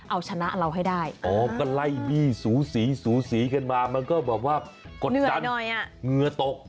เอาชนะเราให้ได้อ๋อก็ไล่บี้สูสีสูสีกันมามันก็แบบว่ากดดันเหงื่อตก